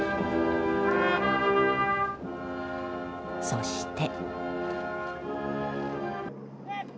そして。